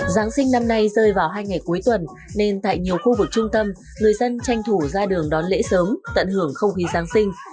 giáng sinh năm nay rơi vào hai ngày cuối tuần nên tại nhiều khu vực trung tâm người dân tranh thủ ra đường đón lễ sớm tận hưởng không khí giáng sinh